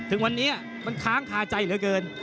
ถึงวันนี้มันค้างคาใจเหลือเกิน